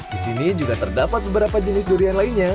disini juga terdapat beberapa jenis durian lainnya